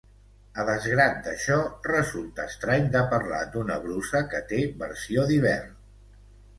A desgrat d'això, resulta estrany de parlar d'una brusa que té versió d'hivern.